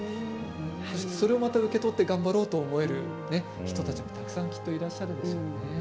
それを受け取ってまた頑張ろうと思える人たちがたくさんいらっしゃるんでしょうね。